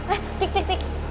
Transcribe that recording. eh tik tik tik